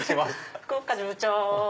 福岡部長。